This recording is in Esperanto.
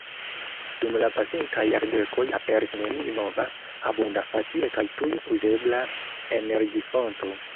Dum la pasintaj jardekoj aperis neniu nova, abunda, facile kaj tuj uzebla energifonto.